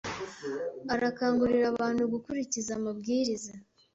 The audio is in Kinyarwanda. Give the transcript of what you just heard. arakangurira abantu gukurikiza amabwiriza